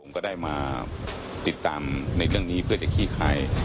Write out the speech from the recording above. ขดินี้ก็ได้มาติดตามในเรื่องนี้เพื่อจะคี่ไข